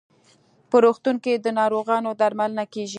په روغتون کې د ناروغانو درملنه کیږي.